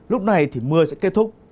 lúc này thì mưa sẽ kết thúc